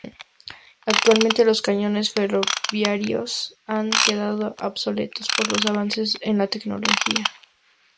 Actualmente los cañones ferroviarios han quedado obsoletos por los avances en la tecnología.